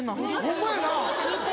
ホンマやな。